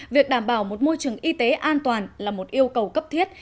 việc đảm bảo một môi trường y tế an toàn là một yêu cầu cấp thiết